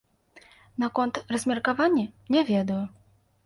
Наконт размеркавання, не ведаю.